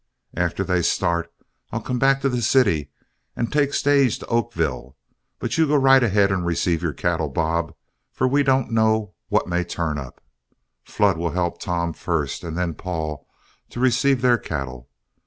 After they start, I'll come back to the city and take stage to Oakville. But you go right ahead and receive your cattle, Bob, for we don't know what may turn up. Flood will help Tom first, and then Paul, to receive their cattle.